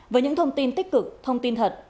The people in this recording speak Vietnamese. với những thông tin tích cực thông tin thật